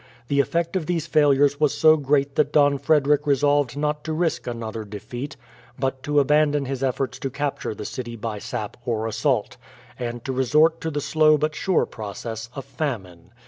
The effect of these failures was so great that Don Frederick resolved not to risk another defeat, but to abandon his efforts to capture the city by sap or assault, and to resort to the slow but sure process of famine.